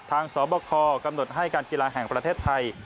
สบคกำหนดให้การกีฬาแห่งประเทศไทย